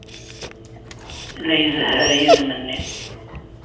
La izehher yizem-nni.